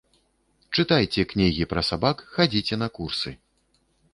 Чытайце кнігі пра сабак, хадзіце на курсы.